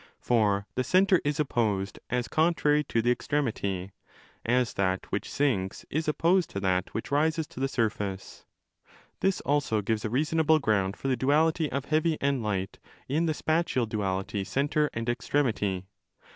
For the centre is opposed as contrary to the extremity, as that which sinks is opposed to that which rises to the surface. This also givesa reason able ground for the duality of heavy and light in the spatial | duality centre and extremity.